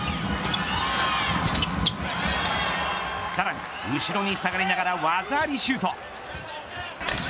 さらに後ろに下がりながら技ありシュート。